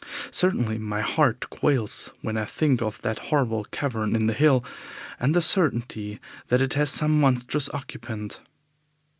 Certainly my heart quails when I think of that horrible cavern in the hill, and the certainty that it has some monstrous occupant.